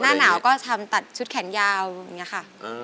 หน้าหนาวก็ทำตัดชุดแขนยาวอย่างนี้ค่ะ